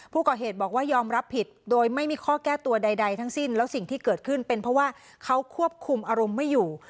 ผู้ก่อเหตุบอกว่ายอมรับผิดโดยไม่มีข้อแก้ตัวใดทั้งสิ้นแล้วสิ่งที่เกิดขึ้นเป็นเพราะว่าเขาควบคุมอารมณ์ไม่อยู่